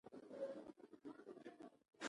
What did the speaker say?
د اداري اصلاحاتو خپلواک کمیسیون جوړول.